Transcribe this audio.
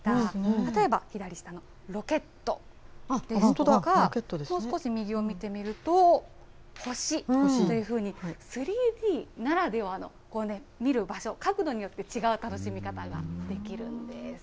例えば、左下のロケットですとか、もう少し右を見てみると、星というふうに、３Ｄならではの見る場所、角度によって違う楽しみ方ができるんです。